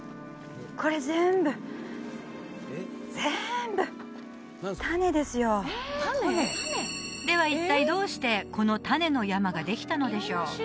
これ全部全部種ですよでは一体どうしてこの種の山ができたのでしょう？